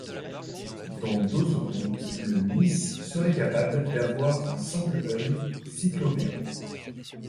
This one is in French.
Dans d'autres contes, le nisse serait capable d'avoir un simple œil cyclopéen.